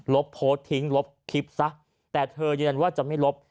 โพสต์ทิ้งลบคลิปซะแต่เธอยืนยันว่าจะไม่ลบ